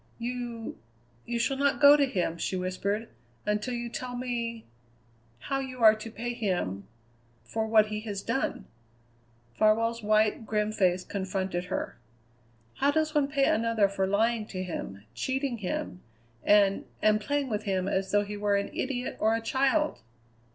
"You you shall not go to him," she whispered, "until you tell me how you are to pay him for what he has done!" Farwell's white, grim face confronted her. "How does one pay another for lying to him, cheating him, and and playing with him as though he were an idiot or a child?"